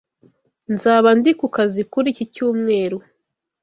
Nzaba ndi ku kazi kuri iki cyumweru.